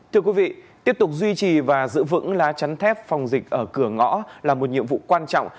thưa quý vị tiếp tục duy trì và giữ vững lá chắn thép phòng dịch ở cửa ngõ là một nhiệm vụ quan trọng